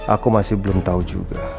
aku masih belum tahu juga